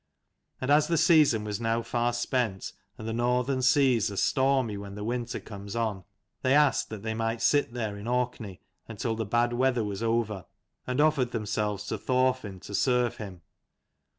And as the season was now far spent, and the Northern seas are stormy when the winter comes on, they asked that they might sit there in Orkney until the bad weather was over, and offered themselves to Thorfin to serve him.